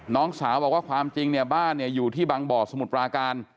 น้องสาวบอกว่าความจริงบ้านอยู่ที่บางบ่อสมุทรปลาการ